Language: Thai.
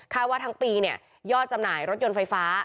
ว่าทั้งปีเนี่ยยอดจำหน่ายรถยนต์ไฟฟ้า